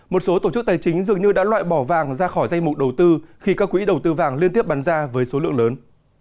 một số tổ chức tài chính dường như đã loại bỏ vàng ra khỏi danh mục đầu tư khi các quỹ đầu tư vàng liên tiếp bán ra với số lượng lớn